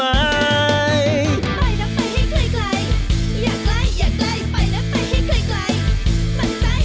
ไปนะไปให้ไกลไกลอย่าไกลอย่าไกลไปนะไปให้ไกลไกล